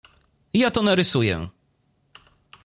Ja to narysuje.